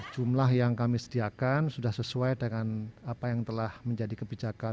jumlah yang kami sediakan sudah sesuai dengan apa yang telah menjadi kebijakan